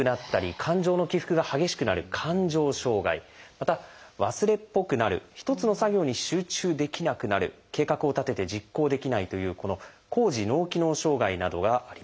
また忘れっぽくなる一つの作業に集中できなくなる計画を立てて実行できないというこの「高次脳機能障害」などがあります。